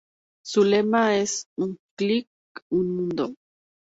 Su lema es: un click, un mundo.